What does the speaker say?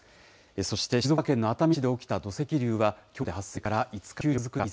そして、静岡県の熱海市で起きた土石流は、きょうで発生から５日目です。